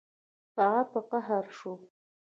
هغه په قهر شو